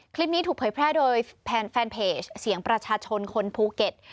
คลิปนี้ถูกเผยแพร่โดยแฟนเพจเสียงประชาชนคนภูเก็ต